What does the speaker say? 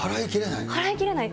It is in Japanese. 払いきれない？